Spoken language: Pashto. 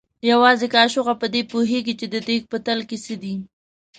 یوازې کاچوغه په دې پوهېږي چې د دیګ په تل کې څه دي.